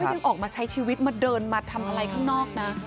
ยังออกมาใช้ชีวิตมาเดินมาทำอะไรข้างนอกนะ